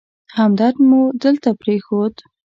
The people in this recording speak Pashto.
همدرد مو دلته پرېښود.